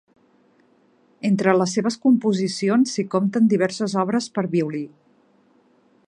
Entre les seves composicions s'hi compten diverses obres per a violí.